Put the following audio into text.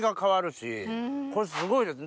これすごいです！